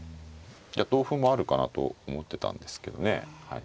同歩もあるかなと思ってたんですけどね。